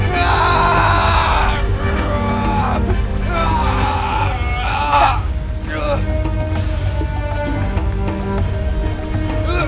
yang penting cara ini